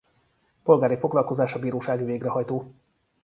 Polgári foglalkozása bírósági végrehajtó.